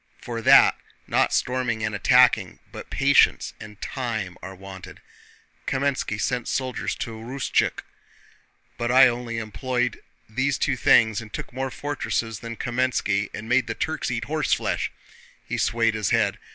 For that, not storming and attacking but patience and time are wanted. Kámenski sent soldiers to Rustchuk, but I only employed these two things and took more fortresses than Kámenski and made them Turks eat horseflesh!" He swayed his head.